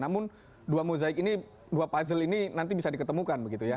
namun dua mozaik ini dua puzzle ini nanti bisa diketemukan begitu ya